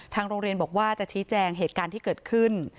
โรงเรียนบอกว่าจะชี้แจงเหตุการณ์ที่เกิดขึ้น